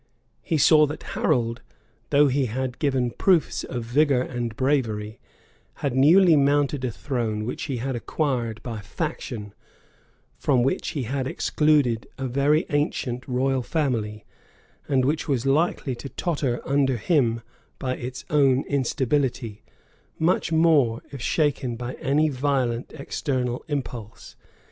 He saw that Harold, though he had given proofs of vigor and bravery, had newly mounted a throne which he had acquired by faction, from which he had excluded a very ancient royal family, and which was likely to totter under him by its own instability, much more if shaken by any violent external impulse.